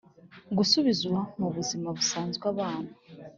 Gusubiza mu buzima busanzwe abana